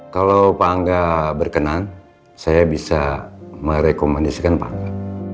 kalau pak angga berkenan saya bisa merekomendasikan pak angga